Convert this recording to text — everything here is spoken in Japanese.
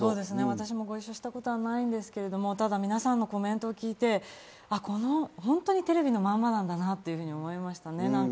私もご一緒したことないんですが、皆さんのコメントを聞いて、本当にテレビのまんまなんだなと思いましたね。